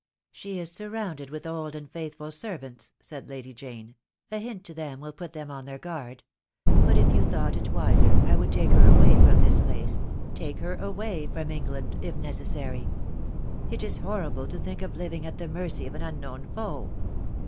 "She is surrounded with old and faithful servants," said Lady Jane, "a hint to them will put them on their guard; but if you thought it wiser I would take her away from this place — take her away from England, if neces sary. It is horrible to think of living at the mercy of an unknown foe."